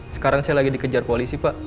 sekarang saya lagi dikejar koalisi pak